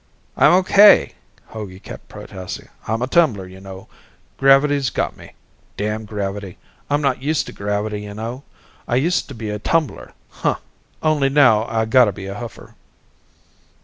"I'm okay," Hogey kept protesting. "I'm a tumbler, ya know? Gravity's got me. Damn gravity. I'm not used to gravity, ya know? I used to be a tumbler huk! only now I gotta be a hoofer.